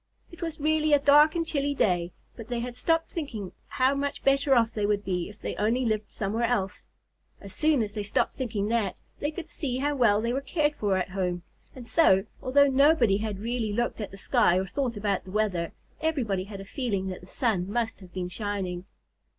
It was really a dark and chilly day, but they had stopped thinking how much better off they would be if they only lived somewhere else. As soon as they stopped thinking that, they could see how well they were cared for at home. And so, although nobody had really looked at the sky or thought about the weather, everybody had a feeling that the sun must have been shining.